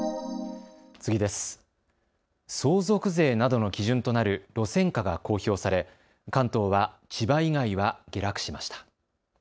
相続税などの基準となる路線価が公表され関東は千葉以外は下落しました。